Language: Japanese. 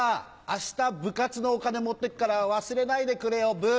明日部活のお金持って行くから忘れないでくれよブ。